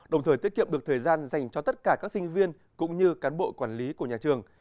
đồng thời tiết kiệm được thời gian dành cho tất cả các sinh viên cũng như cán bộ quản lý của nhà trường